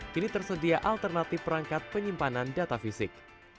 kini tersedia alternatif perangkat penyimpanan data fisik